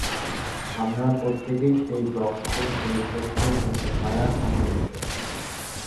আমরা প্রত্যেকেই সেই ব্রহ্ম, সেই সত্য, কিন্তু মায়া-সমন্বিত।